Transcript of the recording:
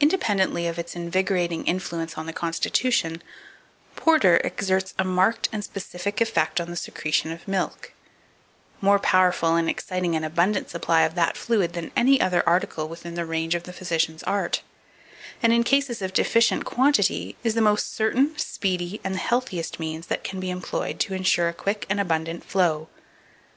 2476. Independently of its invigorating influence on the constitution, _porter exerts a marked and specific effect on the secretion of milk; more powerful in exciting an abundant supply of that fluid than any other article within the range of the physician's art;_ and, in cases of deficient quantity, is the most certain, speedy, and the healthiest means that can be employed to insure a quick and abundant flow.